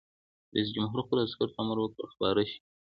رئیس جمهور خپلو عسکرو ته امر وکړ؛ خپاره شئ!